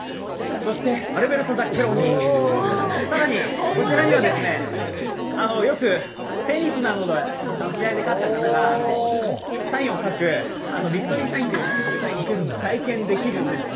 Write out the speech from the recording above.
そしてアルベルト・ザッケローニ、更にこちらには、よくテニスなどで試合に勝った方がサインを描くビクトリーサインを実際に体験できるんです。